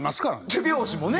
手拍子もね